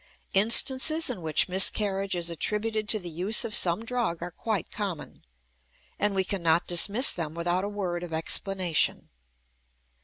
Instances in which miscarriage is attributed to the use of some drug are quite common, and we cannot dismiss them without a word of explanation.